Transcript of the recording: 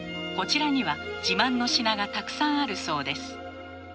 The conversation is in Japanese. こちらには自慢の品がたくさんあるそうです。